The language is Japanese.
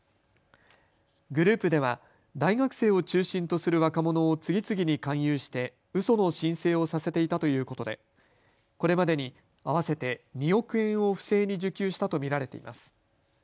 グループでは大学生を中心とする若者を次々に勧誘してうその申請をさせていたということでこれまでに合わせて２億円を不正に受給したと見られています。